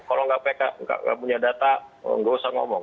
kalau nggak pk nggak punya data nggak usah ngomong